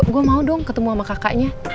gue mau dong ketemu sama kakaknya